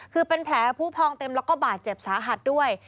คือเป็นแผลผู้พองเต็มแล้วก็บาดเจ็บสาหัสด้วย